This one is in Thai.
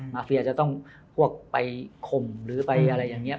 เฟียจะต้องพวกไปข่มหรือไปอะไรอย่างนี้